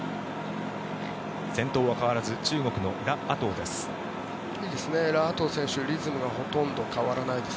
先頭は変わらず中国のラ・アトウです。